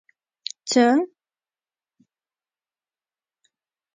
څه